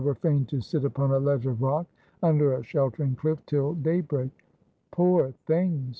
319 were fain to sit upon a ledge of rock under a sheltering cliff till daybreak. 'Poor things